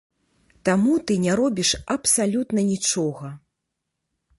Таму ты не робіш абсалютна нічога.